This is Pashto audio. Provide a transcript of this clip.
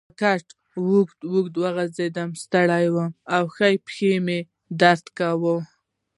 پر کټ اوږد اوږد وغځېدم، ستړی وم او ښۍ پښې مې درد کاوه.